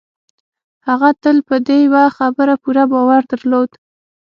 هغه تل په دې يوه خبره پوره باور درلود.